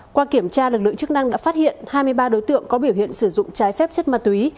qua kiểm tra lực lượng chức năng đã phát hiện hai mươi ba đối tượng có biểu hiện sử dụng trái phép chất ma túy